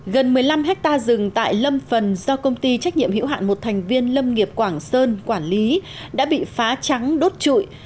gần một mươi năm hectare rừng tại lâm phần do công ty trách nhiệm hữu hạn một thành viên lâm nghiệp quảng sơn quản lý đã bị phá trắng đốt trụi